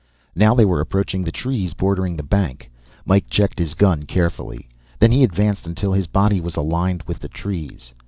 Now they were approaching the trees bordering the bank. Mike checked his gun carefully. Then he advanced until his body was aligned with the trees.